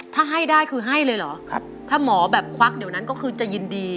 ถ้าให้ได้คือให้เลยเหรอครับถ้าหมอแบบควักเดี๋ยวนั้นก็คือจะยินดี